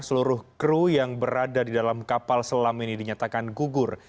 seluruh kru yang berada di dalam kapal selam ini dinyatakan gugur